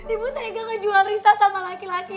ibu tenaga ngejual risa sama laki laki